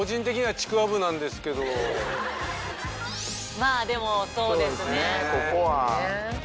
まあでもそうですね。